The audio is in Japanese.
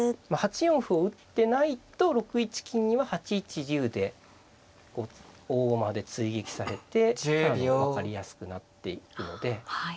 ８四歩を打ってないと６一金には８一竜で大駒で追撃されて分かりやすくなっていくので。